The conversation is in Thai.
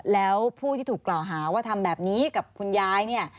แล้วผู้ที่ถูกกล่าวหาว่าทำแบบนี้กับคุณยายเนี่ย